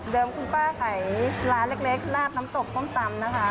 คุณป้าขายร้านเล็กลาบน้ำตกส้มตำนะคะ